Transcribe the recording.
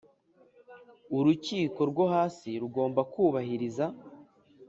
urukiko rwo hasi rugomba kubahiriza